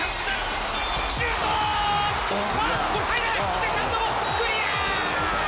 セカンドもクリア！